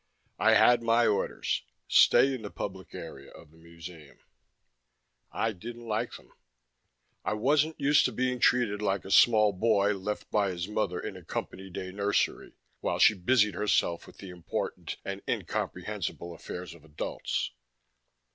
I had my orders stay in the public area of the museum. I didn't like them. I wasn't used to being treated like a small boy, left by his mother in a Company day nursery while she busied herself with the important and incomprehensible affairs of adults.